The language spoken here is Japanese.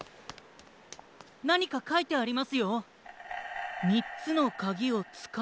なにかかいてありますよ。